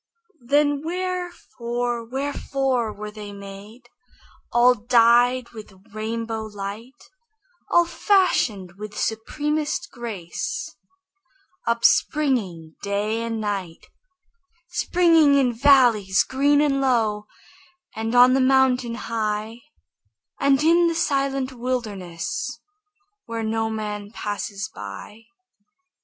Then wherefore, wherefore were they made, All dyed with rainbow light, All fashioned with supremest grace, Upspringing day and night, Springing in valleys green and low, And on the mountain high, And in the silent wilderness, Where no man passes by?